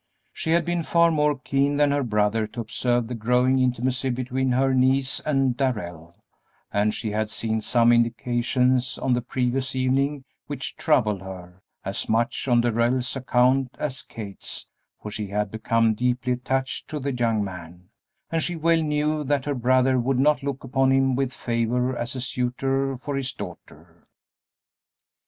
She had been far more keen than her brother to observe the growing intimacy between her niece and Darrell, and she had seen some indications on the previous evening which troubled her, as much on Darrell's account as Kate's, for she had become deeply attached to the young man, and she well knew that her brother would not look upon him with favor as a suitor for his daughter.